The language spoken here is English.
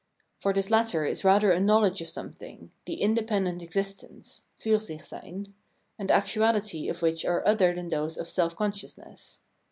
For this latter is rather a knowledge of something, the independent existence [Fursichseyn) and actuality of which are other than those of self consciousness.